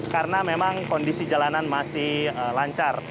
karena memang kondisi jalanan masih lancar